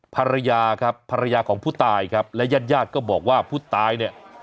ภรรยาครับภรรยาของผู้ตายครับและญาติญาติก็บอกว่าผู้ตายเนี่ย